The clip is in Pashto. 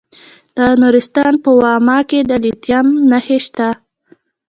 د نورستان په واما کې د لیتیم نښې شته.